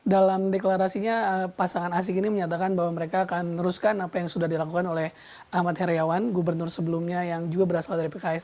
dalam deklarasinya pasangan asik ini menyatakan bahwa mereka akan meneruskan apa yang sudah dilakukan oleh ahmad heriawan gubernur sebelumnya yang juga berasal dari pks